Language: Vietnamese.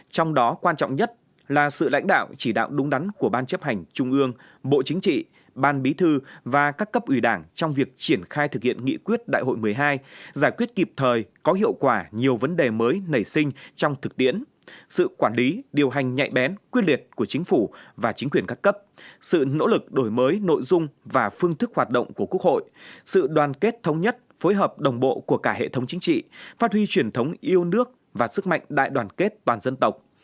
trong đó quan trọng nhất là sự lãnh đạo chỉ đạo đúng đắn của ban chấp hành trung ương bộ chính trị ban bí thư và các cấp ủy đảng trong việc triển khai thực hiện nghị quyết đại hội một mươi hai giải quyết kịp thời có hiệu quả nhiều vấn đề mới nảy sinh trong thực tiễn sự quản lý điều hành nhạy bén quyết liệt của chính phủ và chính quyền các cấp sự nỗ lực đổi mới nội dung và phương thức hoạt động của quốc hội sự đoàn kết thống nhất phối hợp đồng bộ của cả hệ thống chính trị phát huy truyền thống yêu nước và sức mạnh đại đoàn kết toàn dân tộc